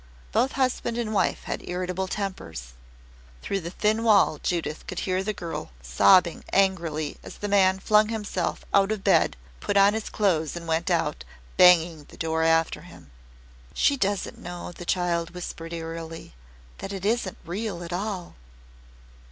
Both husband and wife had irritable tempers. Through the thin wall Judith could hear the girl sobbing angrily as the man flung himself out of bed, put on his clothes and went out, banging the door after him. "She doesn't know," the child whispered eerily, "that it isn't real at all."